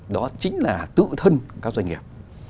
đó chính là tự thân các doanh nghiệp